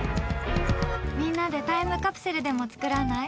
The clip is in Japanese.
みんなでタイムカプセルでも作らない？